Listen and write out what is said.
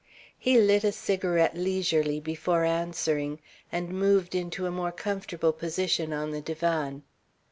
He lit a cigarette leisurely before answering and moved into a more comfortable position on the divan.